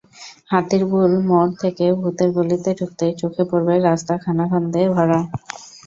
হাতিরপুল মোড় থেকে ভূতের গলিতে ঢুকতেই চোখে পড়বে রাস্তা খানাখন্দে ভরা।